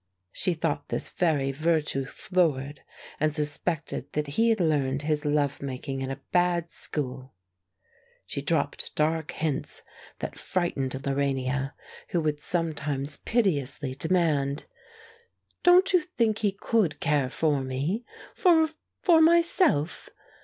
She thought his very virtue florid, and suspected that he had learned his love making in a bad school. She dropped dark hints that frightened Lorania, who would sometimes piteously demand, "Don't you think he could care for me for for myself?"